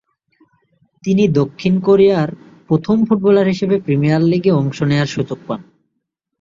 তিনি দক্ষিণ কোরিয়ার প্রথম ফুটবলার হিসেবে প্রিমিয়ার লীগে অংশ নেয়ার সুযোগ পান।